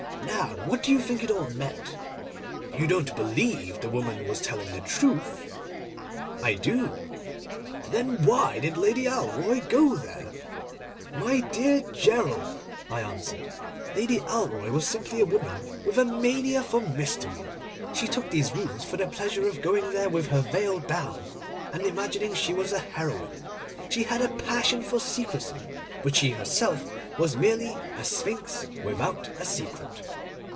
Now, what do you think it all meant? You don't believe the woman was telling the truth?' 'I do.' 'Then why did Lady Alroy go there?' 'My dear Gerald,' I answered, 'Lady Alroy was simply a woman with a mania for mystery. She took these rooms for the pleasure of going there with her veil down, and imagining she was a heroine. She had a passion for secrecy, but she herself was merely a Sphinx without a secret.